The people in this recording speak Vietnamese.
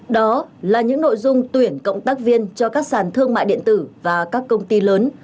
đó là những nội dung tuyển cộng tác viên cho các sàn thương mại điện tử và các công ty lớn